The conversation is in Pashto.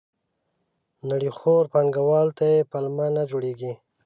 نړیخورو پانګوالو ته یې پلمه نه جوړېږي.